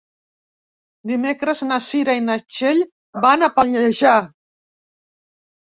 Dimecres na Cira i na Txell van a Pallejà.